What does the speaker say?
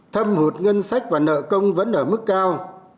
thâm hụt ngân sách và nợ công vẫn ở mức cao